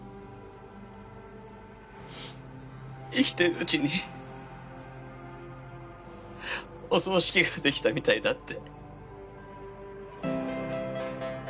生きているうちにお葬式ができたみたいだって。